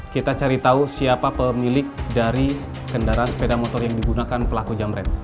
kita cari tahu siapa pemilik dari kendaraan sepeda motor yang digunakan pelaku jamren